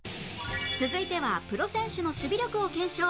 続いてはプロ選手の守備力を検証